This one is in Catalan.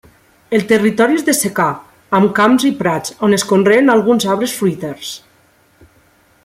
El territori és de secà, amb camps i prats, on es conreen alguns arbres fruiters.